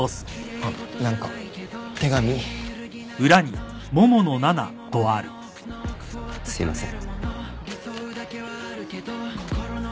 あっすいません。